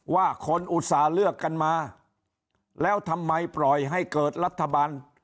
ว่าคนอุตส่าห์เลือกกันมาแล้วทำไมปล่อยให้เกิดรัฐบาล